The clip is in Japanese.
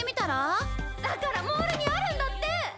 だからモールにあるんだって！